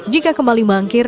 jika kembali mangkir